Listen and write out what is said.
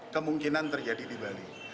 kemungkinan terjadi di bali